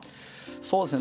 そうですね